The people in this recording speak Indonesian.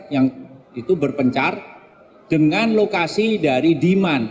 yang itu berpencar dengan lokasi dari demand